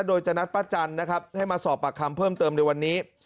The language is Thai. โดยจะนัดป้าจันทร์นะครับให้มาสอบปากคำเพิ่มเติมในวันนี้